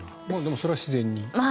それは自然に？